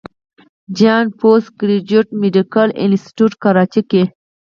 جناح پوسټ ګريجويټ ميډيکل انسټيتيوټ کراچۍ کښې